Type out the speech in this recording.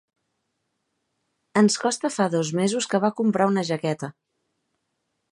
Ens costa fa dos mesos que va comprar una jaqueta.